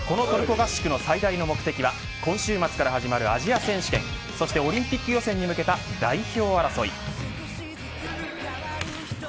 このトルコ合宿の最大の目的は今週末から始まるアジア選手権そして、オリンピック予選に向けた代表争い。